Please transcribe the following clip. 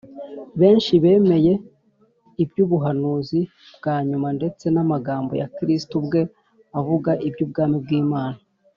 benshi bemeye iby’ubuhanuzi bwa nyuma ndetse n’amagambo ya Kristo ubwe avuga iby’Ubwami bw’Imana